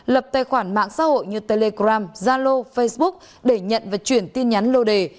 lập tài khoản mạng xã hội như telegram zalo facebook để nhận và chuyển tin nhắn lô đề